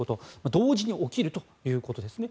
同時に起きるということですね。